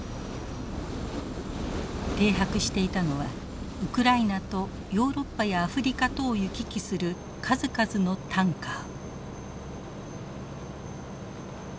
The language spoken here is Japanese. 停泊していたのはウクライナとヨーロッパやアフリカとを行き来する数々のタンカー。